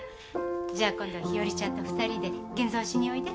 じゃあ今度日和ちゃんと２人で現像しにおいで。